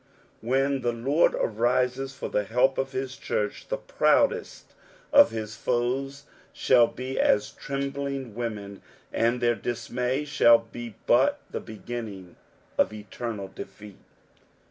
When the Lord arises for the help of his church, the proudest of his foes shall be as trembling women, and their dismay shall 1^ but the b^nniog of eternal defeat.